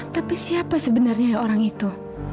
tapi siapa sebenarnya orang itu